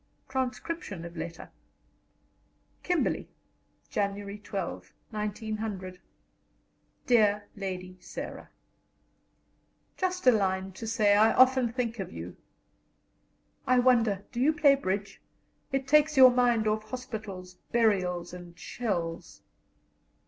[Transcription of letter: "Kimberly "Jan 12 / 1900 "DEAR LADY SARAH, "Just a line to say I often think of you[.] I wonder do you play bridge, it takes your mind off hospitals, burials and shells.